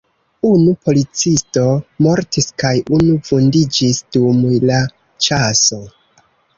Unu policisto mortis kaj unu vundiĝis dum la ĉaso.